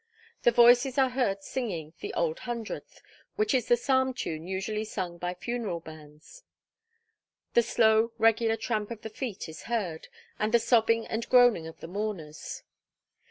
The voices are heard singing the 'Old Hundredth,' which is the psalm tune usually sung by funeral bands; the slow regular tramp of the feet is heard, and the sobbing and groaning of the mourners.